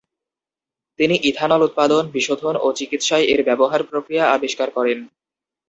তিনি ইথানল উৎপাদন, বিশোধন, ও চিকিৎসায় এর ব্যবহার প্রক্রিয়া আবিষ্কার করেন।